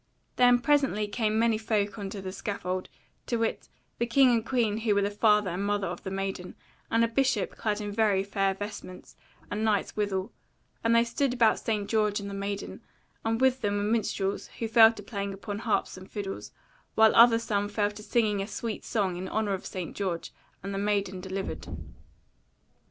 Then presently came many folk on to the scaffold, to wit, the king and queen who were the father and mother of the maiden, and a bishop clad in very fair vestments, and knights withal; and they stood about St. George and the maiden, and with them were minstrels who fell to playing upon harps and fiddles; while other some fell to singing a sweet song in honour of St. George, and the maiden delivered.